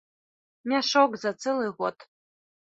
Мяшок за цэлы год.